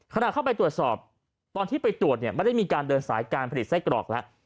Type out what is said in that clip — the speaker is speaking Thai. ขณะเข้าไปตรวจสอบตอนที่ไปตรวจเนี่ยไม่ได้มีการเดินสายการผลิตไส้กรอกแล้ว